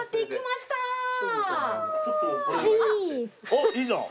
あっいいじゃん。